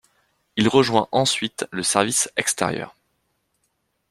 Il rejoint ensuite le service extérieur.